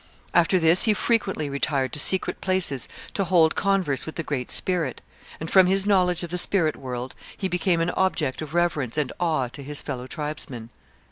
After this he frequently retired to secret places to hold converse with the Great Spirit, and from his knowledge of the spirit world he became an object of reverence and awe to his fellow tribesmen.